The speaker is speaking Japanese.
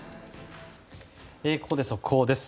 ここで速報です。